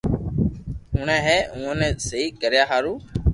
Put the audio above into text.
ھوئي ھين اووہ ني سھي ڪريا ھارو